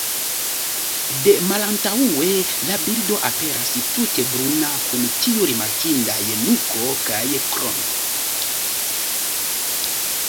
De malantaŭe la birdo aperas tute bruna kun tiu rimarkindaj nuko kaj krono.